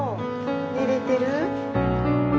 寝れてる？